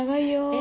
え？